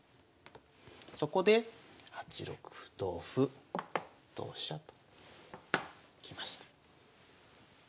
そこで８六歩同歩同飛車ときました。